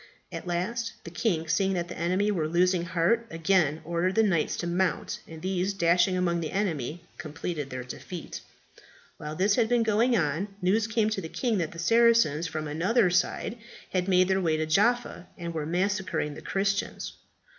At last the king, seeing that the enemy were losing heart, again ordered the knights to mount, and these dashing among the enemy, completed their defeat. While this had been going on, news came to the king that the Saracens from another side had made their way into Jaffa, and were massacring the Christians.